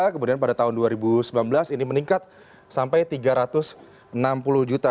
kemudian pada tahun dua ribu sembilan belas ini meningkat sampai tiga ratus enam puluh juta